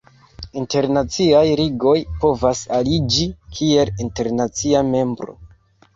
Internaciaj ligoj povas aliĝi kiel internacia membro.